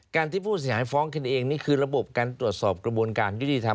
ที่ผู้เสียหายฟ้องขึ้นเองนี่คือระบบการตรวจสอบกระบวนการยุติธรรม